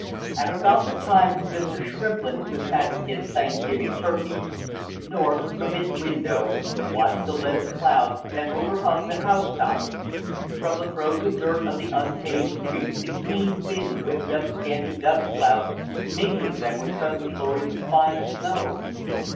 At about the time Mr. Shrimplin was attacking his Thanksgiving turkey, North, from his window, watched the leaden clouds that overhung the housetops. From the frozen dirt of the unpaved streets the keen wind whipped up scanty dust clouds, mingling them with sudden flurries of fine snow.